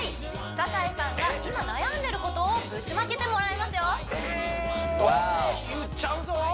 酒井さんが今悩んでいることをぶちまけてもらいますよえーっ！